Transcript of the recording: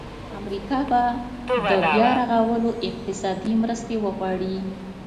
امریکا به د بیا رغولو اقتصادي مرستې وغواړي.